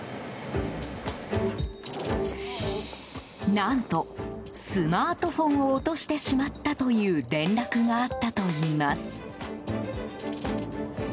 何と、スマートフォンを落としてしまったという連絡があったといいます。